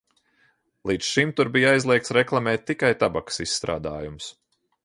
Līdz šim tur bija aizliegts reklamēt tikai tabakas izstrādājumus.